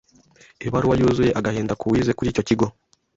Ibaruwa yuzuye agahinda k’uwize kuri icyo kigo